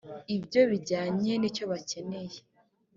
ibyo bijyanye n’icyo bakeneye